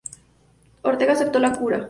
Ortega aceptó la cura.